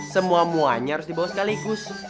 semua muanya harus dibawa sekaligus